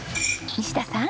西田さん